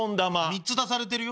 ３つ足されてるよ。